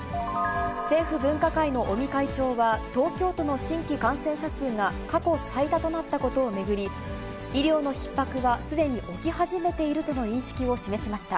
政府分科会の尾身会長は、東京都の新規感染者数が過去最多となったことを巡り、医療のひっ迫はすでに起き始めているとの認識を示しました。